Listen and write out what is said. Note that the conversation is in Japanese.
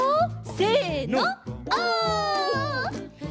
せのオ！